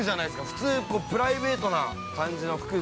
普通こう、プライベートな感じの服が。